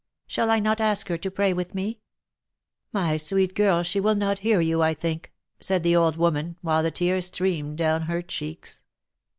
Shall I not ask her to pray with me V " My sweet girl, she will not hear you, I think," said the old woman, while the tears streamed down her cheeks.